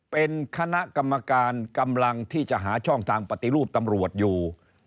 เป็นคณะกรรมการกำลังที่จะหาช่องทางปฏิรูปตำรวจอยู่